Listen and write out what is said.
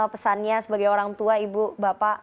pesannya sebagai orang tua ibu bapak